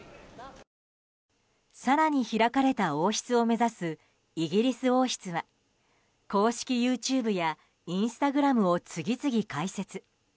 更に開かれた王室を目指すイギリス王室は公式ＹｏｕＴｕｂｅやインスタグラムを次々開設。